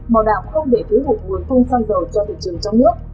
bảo đảm không để thiếu hụt nguồn cung xăng dầu cho thị trường trong nước